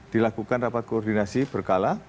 dilakukan rapat koordinasi berkala